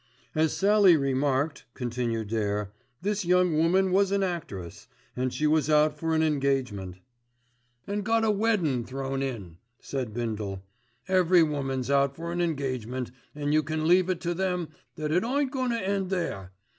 "As Sallie remarked," continued Dare, "this young woman was an actress, and she was out for an engagement." "An' got a weddin' thrown in," said Bindle. "Every woman's out for an engagement, an' yer can leave it to them that it ain't goin' to end there.